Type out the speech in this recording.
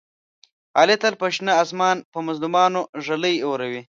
علي تل په شنه اسمان په مظلومانو ږلۍ اوروي.